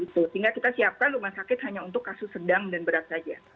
sehingga kita siapkan rumah sakit hanya untuk kasus sedang dan berat saja